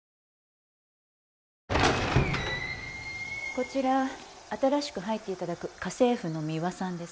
こちら新しく入って頂く家政婦のミワさんです。